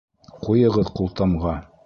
Ҡуйығыҙ ҡултамға!